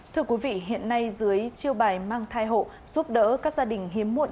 thưa quý vị hiện nay dưới chiêu bài mang thai hộ giúp đỡ các gia đình hiếm muộn